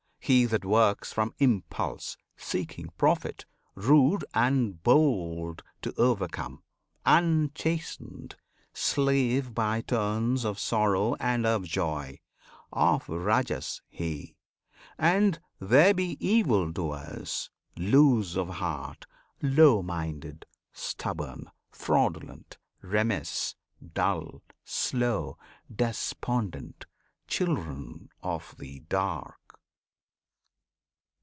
He that works From impulse, seeking profit, rude and bold To overcome, unchastened; slave by turns Of sorrow and of joy: of Rajas he! And there be evil doers; loose of heart, Low minded, stubborn, fraudulent, remiss, Dull, slow, despondent children of the "dark."